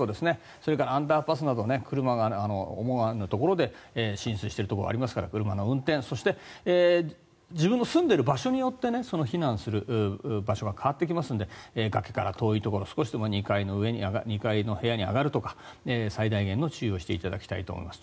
それからアンダーパスなど思わぬところで浸水しているところがありますから、車の運転そして自分の住んでいる場所によって避難する場所が変わってきますので崖から遠いところ２階の部屋に上がるとか最大限の注意をしていただきたいと思います。